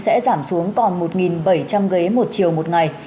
sẽ giảm xuống còn một bảy trăm linh ghế một chiều một ngày